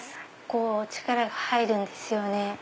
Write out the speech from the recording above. こう力が入るんですよね。